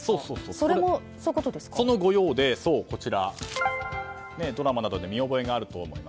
その御用でドラマなどで見覚えがあると思います。